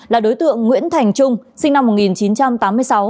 là đối tượng nguyễn thành trung sinh năm một nghìn chín trăm tám mươi sáu